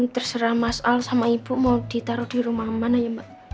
terserah mas al sama ibu mau ditaruh di rumah mana ya mbak